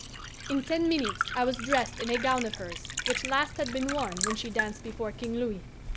In ten minutes I was dressed in a gown of hers, which last had been worn when she danced before King Louis.